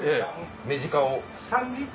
メジカを。